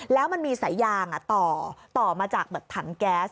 แล้วมันมีสายยางต่อมาจากถังแก๊ส